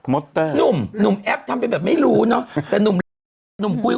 มดตเตอร์หนุ่มหนุ่มแอปทำแบบไม่รู้เนอะแต่หนุ่มขุม